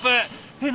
えっ？